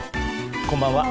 こんばんは。